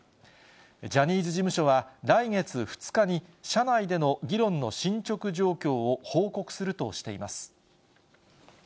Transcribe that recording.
ジャニーズ事務所は、来月２日に社内での議論の進捗状況を報告するとしています。